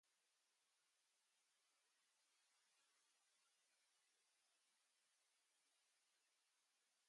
The fish are harvested and sold for food in local markets.